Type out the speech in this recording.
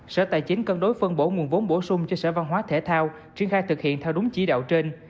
sở tài chính cân đối phân bổ nguồn vốn bổ sung cho sở văn hóa thể thao triển khai thực hiện theo đúng chỉ đạo trên